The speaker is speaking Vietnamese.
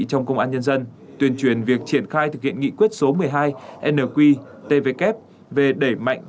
trong công an nhân dân tuyên truyền việc triển khai thực hiện nghị quyết số một mươi hai nqtvk về đẩy mạnh